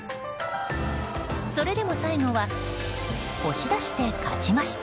それでも最後は押し出して勝ちました。